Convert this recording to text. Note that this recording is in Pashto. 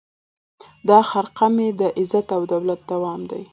دا خرقه مي د عزت او دولت دام دی